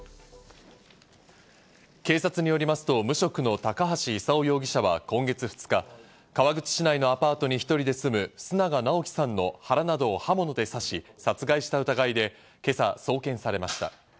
警察によりますと無職の高橋勲容疑者は今月２日、川口市内のアパートに１人で住む須永尚樹さんの腹などを刃物で刺し、殺害した疑いで今朝、送検されました。